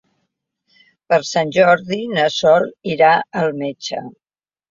Per Sant Jordi na Sol irà al metge.